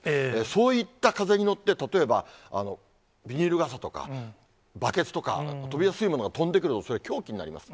そういった風に乗って、例えばビニール傘とか、バケツとか、飛びやすいものが飛んでくるおそれ、凶器になります。